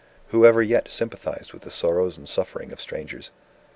Who ever yet sympathized with the sorrows and sufferings of strangers?